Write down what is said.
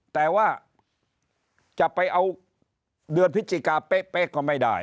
แต่ว่าจะไปเอาเดือนพฤศจิกาเป๊ะก็ไม่ได้